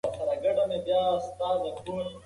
هغه په خپله مقاله کي د ژوندپوهنې ارزښت بیان کړ.